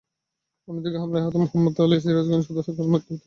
অন্যদিকে হামলায় আহত মোহাম্মদ আলীকে সিরাজগঞ্জ সদর হাসপাতালে ভর্তি করা হয়।